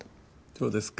そうですか。